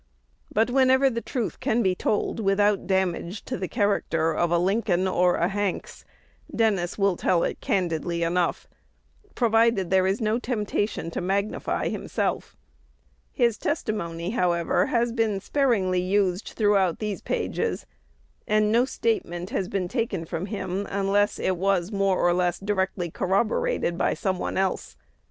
But, whenever the truth can be told without damage to the character of a Lincoln or a Hanks, Dennis will tell it candidly enough, provided there is no temptation to magnify himself. His testimony, however, has been sparingly used throughout these pages; and no statement has been taken from him unless it was more or less directly corroborated by some one else.